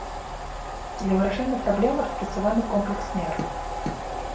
Для вырашэння праблемы распрацаваны комплекс мер.